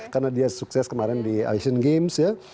karena dia sukses kemarin di asian games ya